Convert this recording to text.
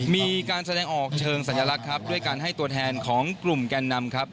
มีการแสดงออกเชิงสัญลักษณ์ครับด้วยการให้ตัวแทนของกลุ่มแก่นนำครับ